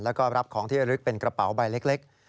แล้วก็รับของที่ระลึกเป็นกระเป๋าใบเล็ก